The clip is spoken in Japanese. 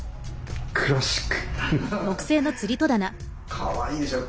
かわいいでしょう。